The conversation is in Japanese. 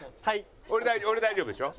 俺俺大丈夫でしょ？